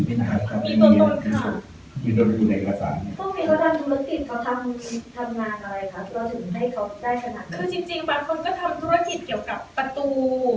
คือจริงบางคนก็ทำธุรกิจเกี่ยวกับประตู